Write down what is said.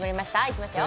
いきます